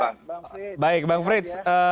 ya baik bang frits